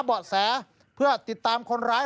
เบาะแสเพื่อติดตามคนร้าย